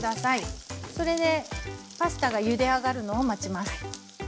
それでパスタがゆであがるのを待ちます。